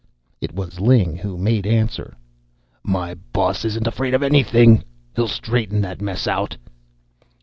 It was Ling who made answer: "My boss isn't afraid of anything. He'll straighten that mess out."